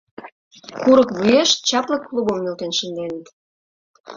Курык вуеш чапле клубым нӧлтен шынденыт.